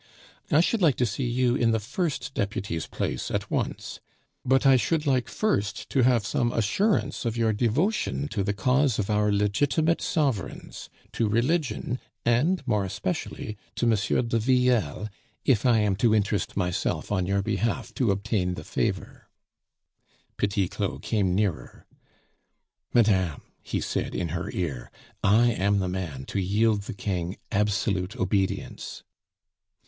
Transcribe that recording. "I should like to see you in the first deputy's place at once. But I should like first to have some assurance of your devotion to the cause of our legitimate sovereigns, to religion, and more especially to M. de Villele, if I am to interest myself on your behalf to obtain the favor." Petit Claud came nearer. "Madame," he said in her ear, "I am the man to yield the King absolute obedience."